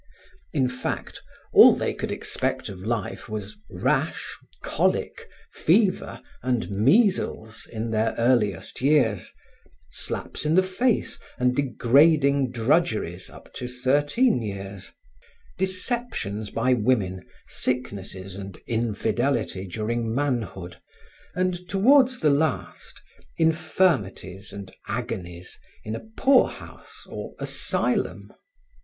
In fact, all they could expect of life was rash, colic, fever, and measles in their earliest years; slaps in the face and degrading drudgeries up to thirteen years; deceptions by women, sicknesses and infidelity during manhood and, toward the last, infirmities and agonies in a poorhouse or asylum.